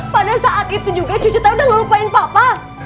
pada saat itu juga cucu saya udah ngelupain papa